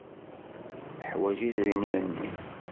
Teḥwaj idrimen-nni.